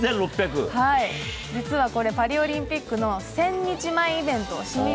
実はこれ、パリオリンピックの１０００日前イベント。